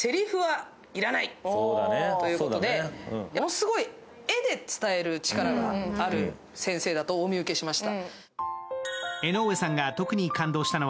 すごい絵で伝える力がある先生だとお見受けしました。